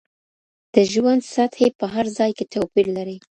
د ژوند سطحې په هر ځای کې توپیر لري.